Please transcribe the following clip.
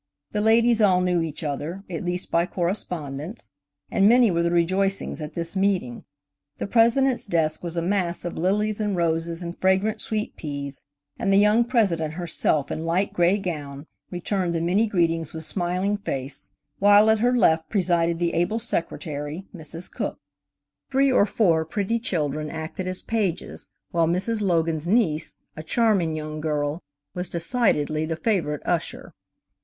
The ladies all knew each other, at least by correspondence, and many were the rejoicings at this meeting. The President's desk was a mass of lilies and roses and fragrant sweet peas, and the young President herself, in light gray gown, returned the many greetings with smiling face, while at her left presided the able secretary, Mrs. Cooke. Three or four pretty children acted as pages, while Mrs. Logan's niece–a charming young girl–was decidedly the favorite usher.